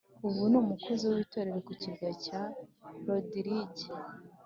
Ubu ni umukozi w itorero ku kirwa cya Rodirige